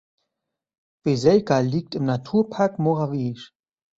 Veselka liegt im Naturpark Moravice.